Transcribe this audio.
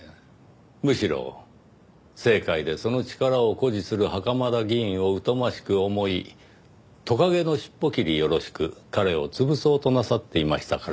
むしろ政界でその力を誇示する袴田議員を疎ましく思い蜥蜴の尻尾切りよろしく彼を潰そうとなさっていましたからね